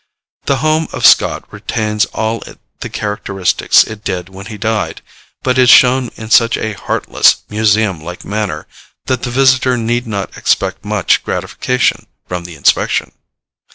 The home of Scott retains all the characteristics it did when he died; but is shown in such a heartless, museum like manner, that the visitor need not expect much gratification from the inspection.